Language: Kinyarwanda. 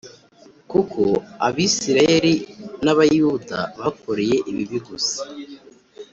Kuko Abisirayeli n’Abayuda bakoreye ibibi gusa